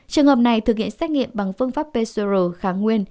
trường hợp này thực hiện xét nghiệm bằng phương pháp pcr kháng nguyên